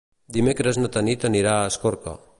Dimecres na Tanit anirà a Escorca.